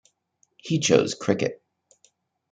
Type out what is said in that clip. He chose cricket.